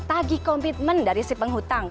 tagi komitmen dari si penghutang